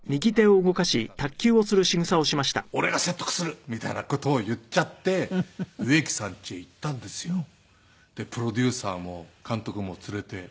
まあちょっと仲良くしていたんで「俺が説得する」みたいな事を言っちゃって植木さん家へ行ったんですよプロデューサーも監督も連れて。